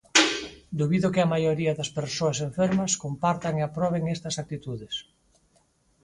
Dubido que a maioría das persoas enfermas compartan e aproben estas actitudes.